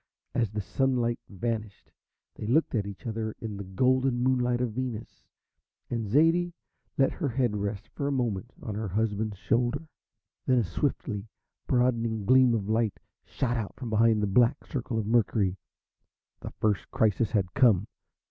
As the sunlight vanished they looked at each other in the golden moonlight of Venus, and Zaidie let her head rest for a moment on her husband's shoulder. Then a swiftly broadening gleam of light shot out from behind the black circle of Mercury. The first crisis had come.